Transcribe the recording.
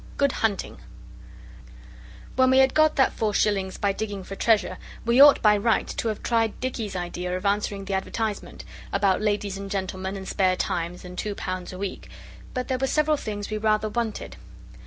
GOOD HUNTING When we had got that four shillings by digging for treasure we ought, by rights, to have tried Dicky's idea of answering the advertisement about ladies and gentlemen and spare time and two pounds a week, but there were several things we rather wanted.